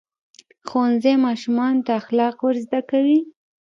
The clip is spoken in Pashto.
ښوونځی ماشومانو ته اخلاق ورزده کوي.